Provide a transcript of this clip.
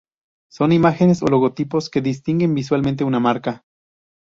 Son imágenes o logotipos que distinguen visualmente una marca.